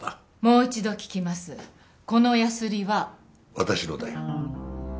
私のだよ。